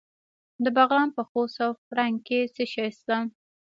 د بغلان په خوست او فرنګ کې څه شی شته؟